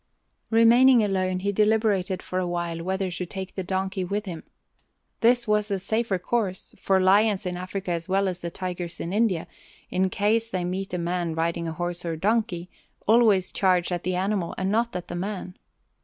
Remaining alone, he deliberated for a while whether to take the donkey with him. This was the safer course, for lions in Africa as well as the tigers in India, in case they meet a man riding a horse or donkey, always charge at the animal and not at the man.